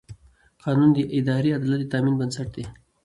قانون د اداري عدالت د تامین بنسټ دی.